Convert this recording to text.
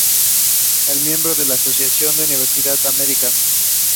Lawrence was father of Ohio Attorney General James Lawrence.